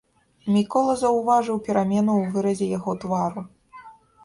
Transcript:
Мікола заўважыў перамену ў выразе яго твару.